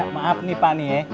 maaf nih pak nih ya